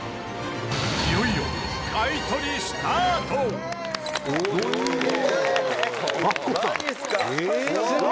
いよいよ、買い取りスタート二階堂：